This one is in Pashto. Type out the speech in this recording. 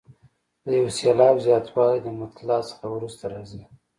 د یو سېلاب زیاتوالی د مطلع څخه وروسته راځي.